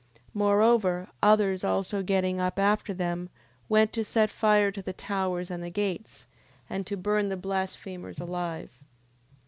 Moreover, others also getting up after them, went to set fire to the towers and the gates, and to burn the blasphemers alive.